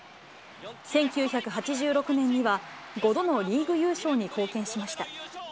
１９８６年には、５度のリーグ優勝に貢献しました。